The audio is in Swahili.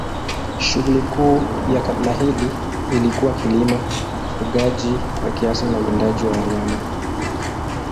Shughuli kuu ya kabila hili ilikuwa kilimo, ufugaji kwa kiasi na uwindaji wa wanyama.